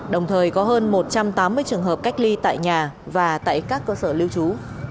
đồng thời có hơn một trăm tám mươi trường hợp cách ly tại nhà và tại các cơ sở lưu trú